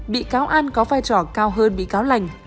bị cáo an có vai trò cao hơn bị cáo lành